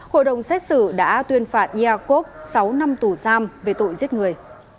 hội đồng xét xử đã tuyên phạt iakov sáu năm tù giam về tội giết người